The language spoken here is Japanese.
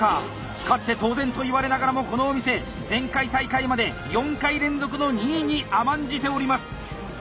「勝って当然」と言われながらもこのお店前回大会まで４回連続の２位に甘んじております。